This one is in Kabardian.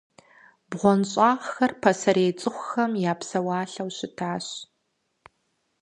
БгъуэнщӀагъхэр пасэрей цӀыхухэм я псэуалъэу щытащ.